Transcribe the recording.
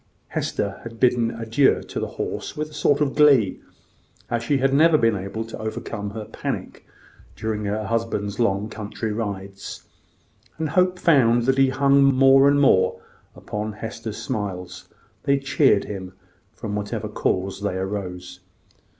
Hester had bidden adieu to the horse with a sort of glee, as she had never been able to overcome her panic during her husband's long country rides; and Hope found that he hung more and more upon Hester's smiles: they cheered him, from whatever cause they arose.